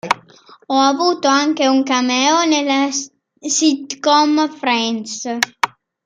Ha avuto anche un cameo nella sitcom "Friends".